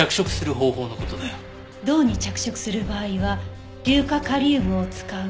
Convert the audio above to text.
銅に着色する場合は硫化カリウムを使う。